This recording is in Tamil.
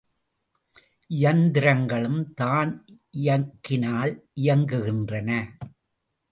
இயந்திரங்களும் தான் இயக்கினால் இயங்குகின்றன.